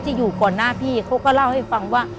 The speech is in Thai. อยู่ก่อนหน้าพี่เขาก็เล่าให้ฟังว่า